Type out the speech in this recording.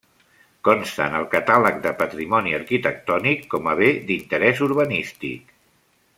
Consta en el catàleg de patrimoni arquitectònic com a bé d'interès urbanístic.